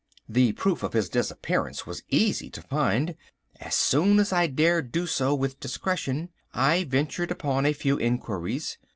The proof of his disappearance was easy to find. As soon as I dared do so with discretion I ventured upon a few inquiries.